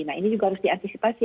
nah ini juga harus diantisipasi